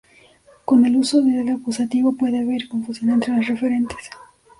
Con el uso del acusativo, puede haber confusión entre los referentes.